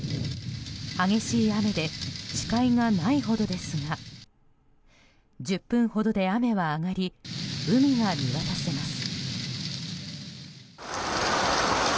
激しい雨で視界がないほどですが１０分ほどで雨が上がり海が見渡せます。